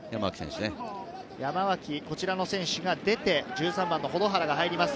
山脇、こちらの選手が出て１３番の保土原が入ります。